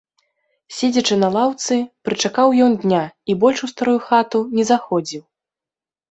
Седзячы на лаўцы, прычакаў ён дня і больш у старую хату не заходзіў.